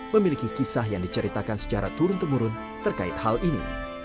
memiliki kisah yang diceritakan secara turun temurun terkait hal ini